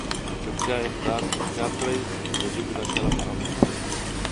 چوپتیا اختیار کړئ! چي د ژبي له شره په امن سئ.